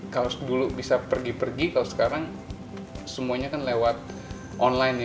kalau dulu bisa pergi pergi kalau sekarang semuanya kan lewat online nih